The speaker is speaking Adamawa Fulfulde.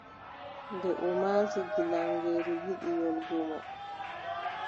Nde o maati gilaŋeeru yiɗi yoolgomo,